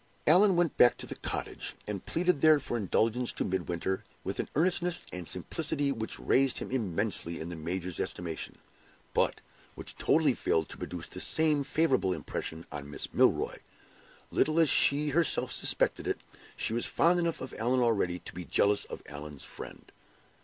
Allan went back to the cottage, and pleaded there for indulgence to Midwinter, with an earnestness and simplicity which raised him immensely in the major's estimation, but which totally failed to produce the same favorable impression on Miss Milroy. Little as she herself suspected it, she was fond enough of Allan already to be jealous of Allan's friend.